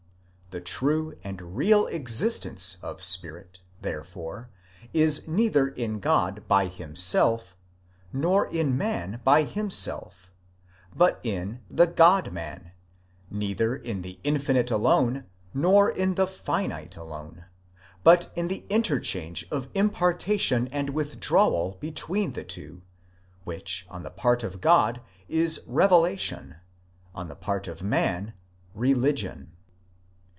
The true and real existence of spirit, therefore, is neither in God by himself, nor in man by himself, but in the God man ; neither in the infinite alone, nor in the finite alone, but in the interchange of impartation and withdrawal between the two, which on the part of God is revelation, on the part of man religion.